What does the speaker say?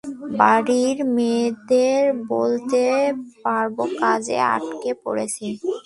বাড়ির মেয়েদের বলতে পারব কাজে আটকা পড়েছি।